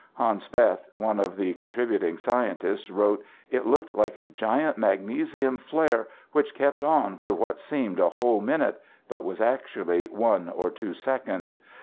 Hans Bethe, one of the contributing scientists, wrote "it looked like a giant magnesium flare which kept on for what seemed a whole minute but was actually one or two seconds.